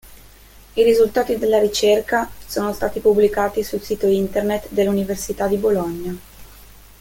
I risultati della ricerca sono stati pubblicati sul sito Internet dell'Università di Bologna.